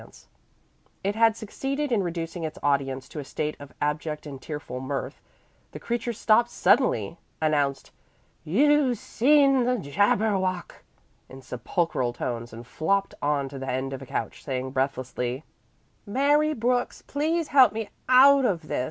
When it had succeeded in reducing its audience to a state of abject and tearful mirth, the creature stopped suddenly, announced, "You've seen the Jabberwock," in sepulchral tones, and flopped on to the end of a couch, saying breathlessly, "Mary Brooks, please help me out of this.